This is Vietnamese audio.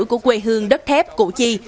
của quê hương đất thép củ chi